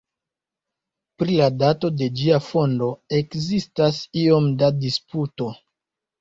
Pri la dato de ĝia fondo ekzistas iom da disputo.